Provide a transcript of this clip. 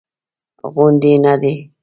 غونډ یې نه دی.